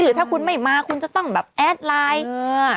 หรือถ้าคุณไม่มาคุณจะต้องแอดไลน์